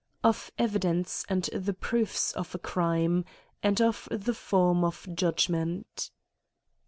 f)f EiMence and the Proofs of a Crime^ and of the Farm of Judgment.